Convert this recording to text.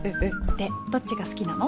でどっちが好きなの？